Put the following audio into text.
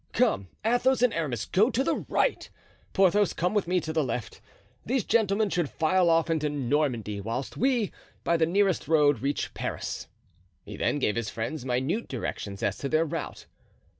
Come, Athos and Aramis, go to the right; Porthos, come with me to the left; these gentlemen should file off into Normandy, whilst we, by the nearest road, reach Paris." He then gave his friends minute directions as to their route.